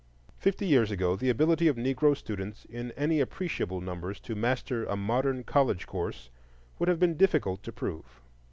Fifty years ago the ability of Negro students in any appreciable numbers to master a modern college course would have been difficult to prove.